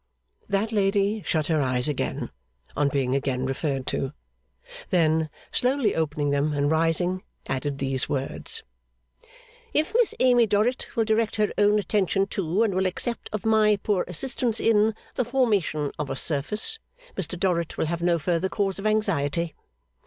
That lady shut her eyes again, on being again referred to; then, slowly opening them and rising, added these words: 'If Miss Amy Dorrit will direct her own attention to, and will accept of my poor assistance in, the formation of a surface, Mr. Dorrit will have no further cause of anxiety.